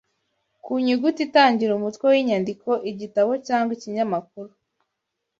Ku nyuguti itangira umutwe w’inyandiko igitabo cyangwa ikinyamakuru